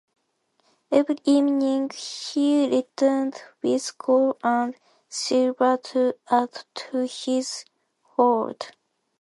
Every evening he returns with gold and silver to add to his hoard.